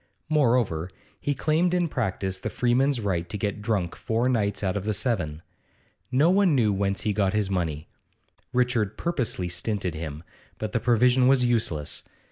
Moreover, he claimed in practice the freeman's right to get drunk four nights out of the seven. No one knew whence he got his money; Richard purposely stinted him, but the provision was useless.